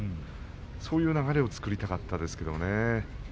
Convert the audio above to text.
そういう流れを作りたかったですけどね。